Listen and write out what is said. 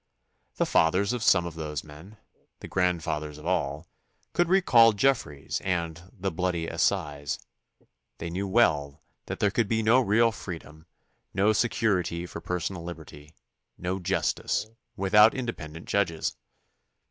The fathers of some of those men — the grandfathers of all — could recall Jeffreys and the "Bloody Assize." They knew well that there could be no real freedom, no security for 70 THE CONSTITUTION AND ITS MAKERS personal liberty, no justice, without independent judges.